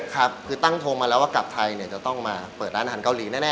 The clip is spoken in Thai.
ครับคือตั้งโทรมาแล้วว่ากลับไทยจะต้องมาเปิดร้านอาหารเกาหลีแน่